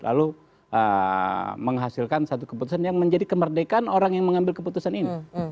lalu menghasilkan satu keputusan yang menjadi kemerdekaan orang yang mengambil keputusan ini